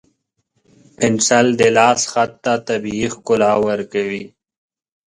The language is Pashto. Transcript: پنسل د لاس خط ته طبیعي ښکلا ورکوي.